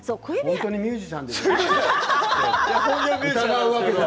本当にミュージシャンです。